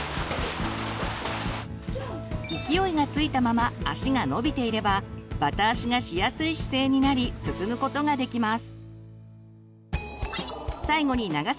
勢いがついたまま足が伸びていればバタ足がしやすい姿勢になり進むことができます。